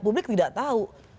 publik tidak tahu